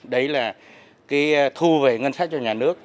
đấy là cái thu về ngân sách cho nhà nước